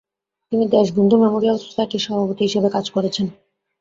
তিনি 'দেশবন্ধু মেমোরিয়াল সোসাইটি'র সভাপতি হিসেবে কাজ করেছেন।